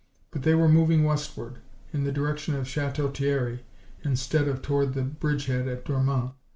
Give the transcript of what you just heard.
But they were moving westward, in the direction of Chateau Thierry, instead of toward the bridgehead at Dormans.